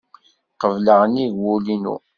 Qebleɣ nnig wul-inu.